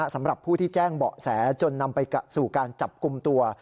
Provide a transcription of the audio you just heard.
สำหรับผู้ที่แจ้งเบาะแสจนนำไปสู่การจับกลุ่มตัว